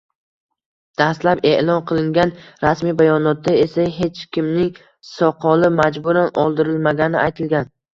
Dastlab e’lon qilingan rasmiy bayonotda esa hech kimning soqoli majburan oldirilmagani aytilgan